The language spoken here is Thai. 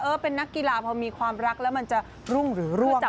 เป็นนักกีฬาพอมีความรักแล้วมันจะรุ่งหรือร่วง